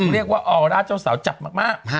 เรียกว่าออร่าเจ้าสาวจับมาก